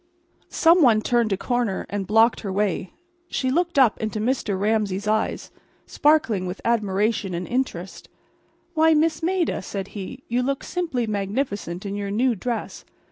Some one turned a corner and blocked her way. She looked up into Mr. Ramsay's eyes, sparkling with admiration and interest. "Why, Miss Maida," said he, "you look simply magnificent in your new dress.